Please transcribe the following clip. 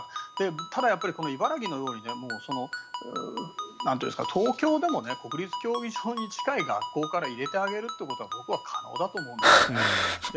ただ、茨城のように東京でも、国立競技場に近い学校から入れてあげることは僕は可能だと思うんですよね。